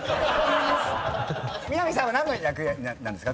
南さんは何の役なんですか？